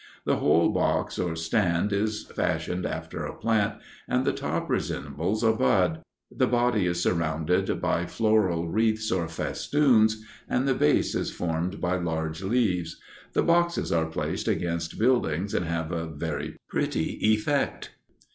The whole box or stand is fashioned after a plant, and the top resembles a bud. The body is surrounded by floral wreaths or festoons, and the base is formed by large leaves. The boxes are placed against buildings and have a very pretty effect.